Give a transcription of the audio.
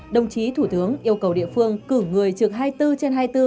đồng chí thủ tướng yêu cầu địa phương cử người trực hai mươi bốn trên hai mươi bốn